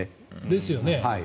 ですよね。